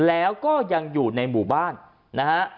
แล้วก็ยังอยู่ในหมู่บ้านนะฮะ